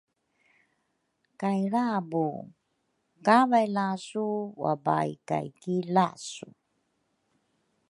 kay lrabu, kavay lasu wabaai kay ki lasu.